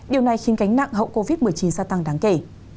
điều này khiến cánh nặng hậu covid một mươi chín sẽ tăng đáng kể